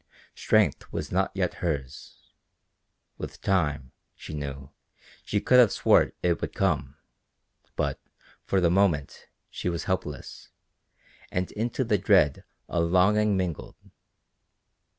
Strength was not yet hers; with time, she knew, she could have sworn it would come; but, for the moment, she was helpless, and into the dread a longing mingled.